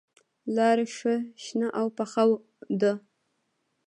لاره ښه شنه او پوخه ده.